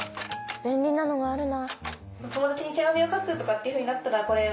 便利なのがあるな。